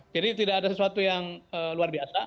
jadi tidak ada sesuatu yang luar biasa